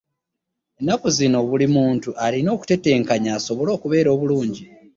Ennaku zino buli muntu alina kutetenkanya asobole okubeera obulungi.